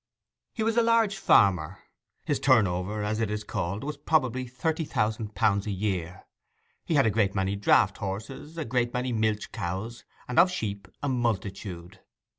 He was a large farmer. His turnover, as it is called, was probably thirty thousand pounds a year. He had a great many draught horses, a great many milch cows, and of sheep a multitude.